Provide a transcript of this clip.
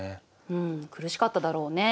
うん苦しかっただろうね。